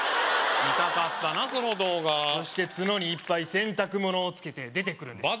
見たかったなその動画そして角にいっぱい洗濯物をつけて出てくるんです